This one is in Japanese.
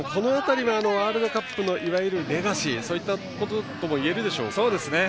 ワールドカップのいわゆるレガシーそういったこととも言えるでしょうか。